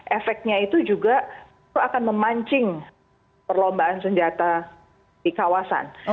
efeknya itu juga akan memancing perlombaan senjata di kawasan